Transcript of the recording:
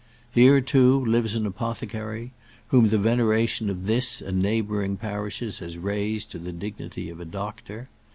Here, too, lives an apothecary, whom the veneration of this and neighbouring parishes has raised to the dignity of a doctor.